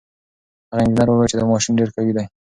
هغه انجنیر وویل چې دا ماشین ډېر قوي دی.